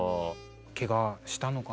ケガしたのかな。